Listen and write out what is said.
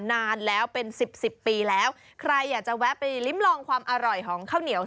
นานแล้วเป็น๑๐ปีแล้วใครอยากจะซ้ายดินไปริมลองความอร่อยของข้าวเหนียว